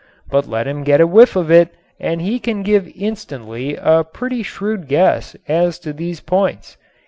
But let him get a whiff of it and he can give instantly a pretty shrewd guess as to these points.